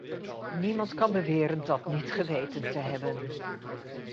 Niemand kan beweren dat niet geweten te hebben.